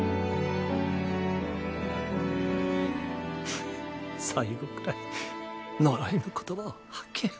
ふっ最期くらい呪いの言葉を吐けよ。